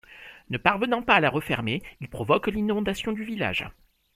Ne parvenant pas à la refermer, il provoque l'inondation du village.